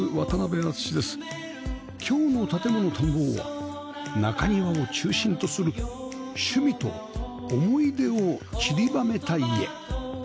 今日の『建もの探訪』は中庭を中心とする趣味と思い出を散りばめた家